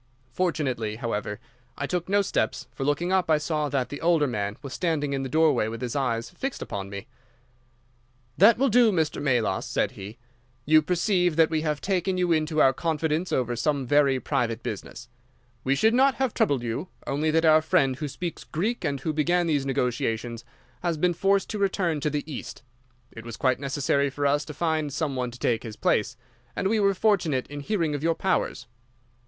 Fortunately, however, I took no steps, for looking up I saw that the older man was standing in the doorway with his eyes fixed upon me. "'That will do, Mr. Melas,' said he. 'You perceive that we have taken you into our confidence over some very private business. We should not have troubled you, only that our friend who speaks Greek and who began these negotiations has been forced to return to the East. It was quite necessary for us to find some one to take his place, and we were fortunate in hearing of your powers.